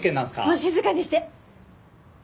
もう静かにして！